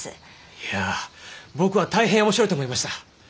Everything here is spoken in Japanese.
いや僕は大変面白いと思いました。